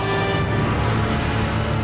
aku sudah berusaha untuk menghentikanmu